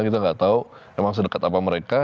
kita tidak tahu memang se dekat apa mereka